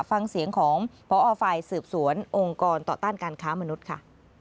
ฟังเสียงของพอฝ่ายสืบสวนองค์กรต่อต้านการค้ามนุษย์ค่ะ